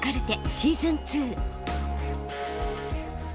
シーズン２。